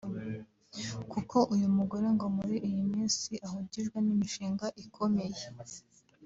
Kuko uyu mugore ngo muri iyi minsi ahugijwe n’imishinga ikomeye